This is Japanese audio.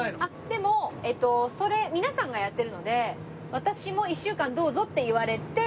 でもそれ皆さんがやっているので私も１週間どうぞって言われて。